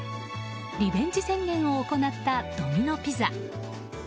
リベンジ宣言を行ったドミノピザ。